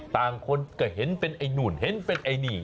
ต่างคนก็เห็นเป็นไอ้นู่นเห็นเป็นไอ้นี่